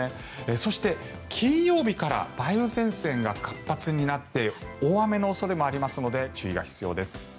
そして、金曜日から梅雨前線が活発になって大雨の恐れもありますので注意が必要です。